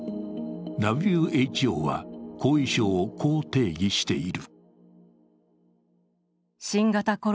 ＷＨＯは後遺症を、こう定義している。